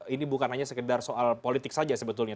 ini bukan hanya sekedar soal politik saja sebetulnya